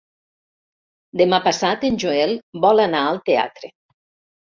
Demà passat en Joel vol anar al teatre.